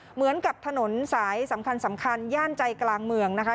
เหมือนกับถนนสายสำคัญย่านใจกลางเมืองนะคะ